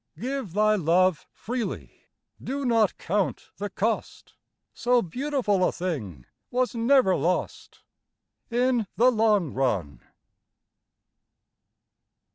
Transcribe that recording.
Give thy love freely; do not count the cost; So beautiful a thing was never lost In the long run.